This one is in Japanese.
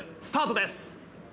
スタートです。